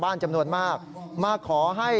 สายลูกไว้อย่าใส่